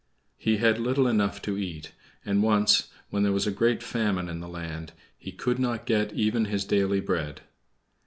He had little enough to eat; and once, when there was a great famine in the land, he could not get even his daily bread.